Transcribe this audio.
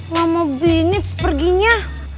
lama binit seperginya